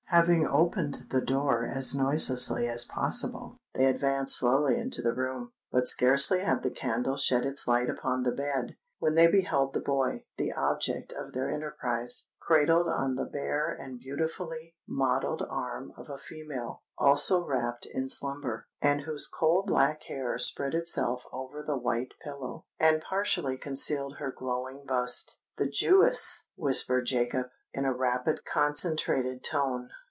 Having opened the door as noiselessly as possible, they advanced slowly into the room; but scarcely had the candle shed its light upon the bed, when they beheld the boy—the object of their enterprise—cradled on the bare and beautifully modelled arm of a female also wrapped in slumber, and whose coal black hair spread itself over the white pillow, and partially concealed her glowing bust. "The Jewess!" whispered Jacob, in a rapid, concentrated tone.